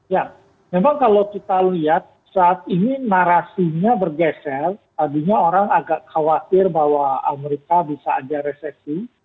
ya memang kalau kita lihat saat ini narasinya bergeser tadinya orang agak khawatir bahwa amerika bisa ada resesi